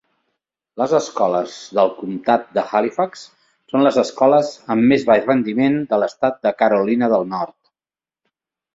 Les escoles del comtat d'Halifax són les escoles amb més baix rendiment a l'estat de Carolina del Nord.